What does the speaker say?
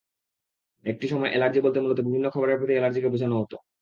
একটা সময় অ্যালার্জি বলতে মূলত বিভিন্ন খাবারের প্রতি অ্যালার্জিকে বোঝানো হতো।